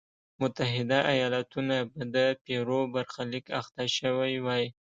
متحده ایالتونه به د پیرو برخلیک اخته شوی وای.